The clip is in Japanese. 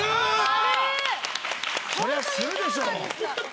そりゃするでしょ。